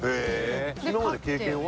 今まで経験は？